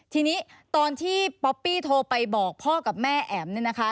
ทีนี้ตอนที่ป๊อปปี้โทรไปบอกพ่อกับแม่แอ๋มเนี่ยนะคะ